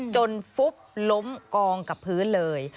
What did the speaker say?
ฟุบล้มกองกับพื้นเลย